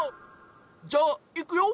じゃあいくよ。